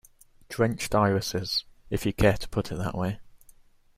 Drenched irises, if you care to put it that way.